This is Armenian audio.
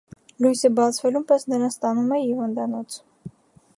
Լույսը բացվելուն պես նրան տանում է հիվանդանոց։